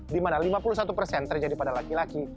di mana lima puluh satu persen terjadi pada laki laki